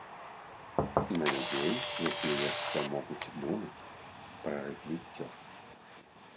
На людзей, якія яшчэ могуць думаць пра развіццё.